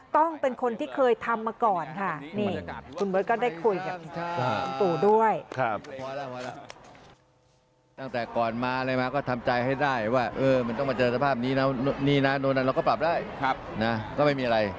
ต้องเป็นคนที่เคยทำมาก่อนค่ะ